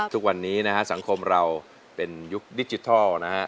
ทุกวันนี้สังคมเราเป็นยุคดิจิทัล